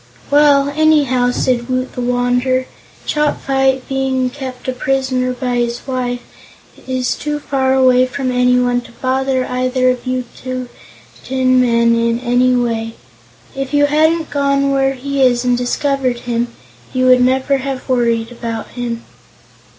"Well, anyhow," said Woot the Wanderer, "Chopfyt, being kept a prisoner by his wife, is too far away from anyone to bother either of you tin men in any way. If you hadn't gone where he is and discovered him, you would never have worried about him."